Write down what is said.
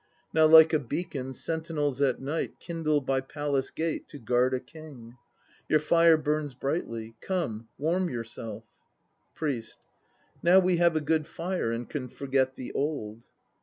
Now like a beacon, sentinels at night Kindle by palace gate to guard a king, Your fire burns brightly. Come, warm yourself. PRIEST. Now we have a good fire and can forget the cold.